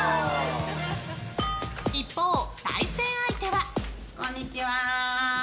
一方、対戦相手は。